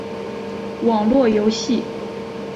网络游戏